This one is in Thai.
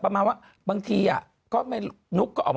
กลับกัน